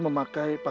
yang bukan itu